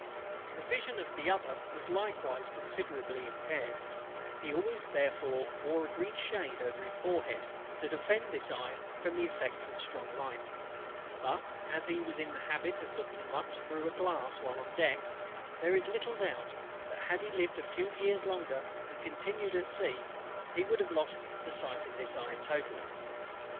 The vision of the other was likewise considerably impaired: he always therefore wore a green shade over his forehead, to defend this eye from the effect of strong light; but as he was in the habit of looking much through a glass while on deck, there is little doubt, that had he lived a few years longer, and continued at sea, he would have lost his sight totally.